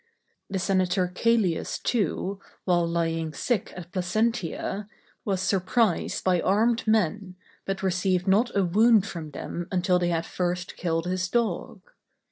The senator Cælius, too, while lying sick at Placentia, was surprised by armed men, but received not a wound from them until they had first killed his dog.